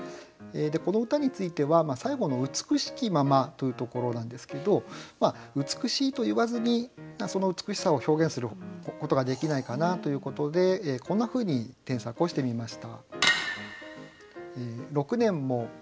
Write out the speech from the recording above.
この歌については最後の「美しきまま」というところなんですけど「美しい」と言わずにその美しさを表現することができないかなということでこんなふうに添削をしてみました。